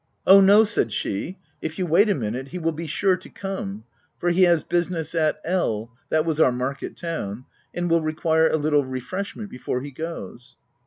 " Oh no V said she, " if you wait a minute, he will be sure to come ; for he has business at L —" (that was our market town) "and will require a little refreshment before he goes."